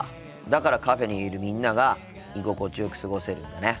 だからカフェにいるみんなが居心地よく過ごせるんだね。